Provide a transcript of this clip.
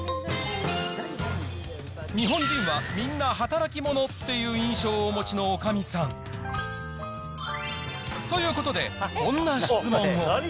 日本人はみんな働きものっていう印象をお持ちのおかみさん。ということで、こんな質問を。